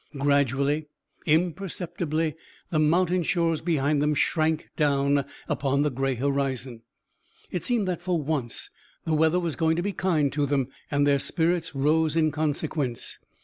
Gradually, imperceptibly, the mountain shores behind them shrank down upon the gray horizon. It seemed that for once the weather was going to be kind to them, and their spirits rose in consequence.